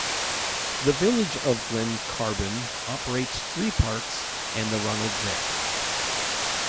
The Village of Glen Carbon operates three parks and the Ronald J.